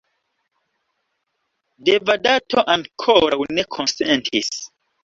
Devadato ankoraŭ ne konsentis.